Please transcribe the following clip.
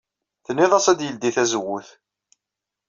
Tennid-as ad yeldey tazewwut.